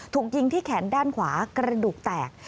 ถูกยิงที่แขนด้านขวากระดูกแตก